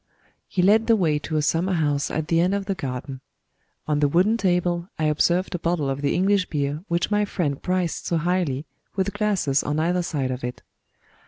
He led the way to a summer house at the end of the garden. On the wooden table, I observed a bottle of the English beer which my friend prized so highly, with glasses on either side of it.